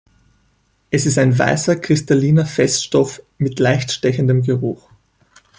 Es ist ein weißer kristalliner Feststoff mit leicht stechendem Geruch.